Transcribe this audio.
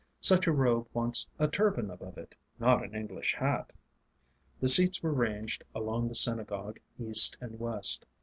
Such a robe wants a turban above it, not an English hat. The seats were ranged along the synagogue east and west.